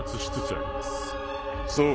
そう